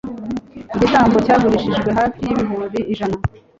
Igitabo cyagurishijwe hafi yibihumbi ijana